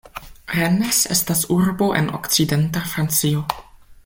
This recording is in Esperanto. Rennes estas urbo en okcidenta Francio.